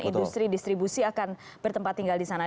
industri distribusi akan bertempat tinggal di sana